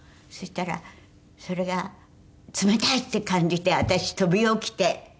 そしたらそれが冷たい！って感じて私飛び起きて。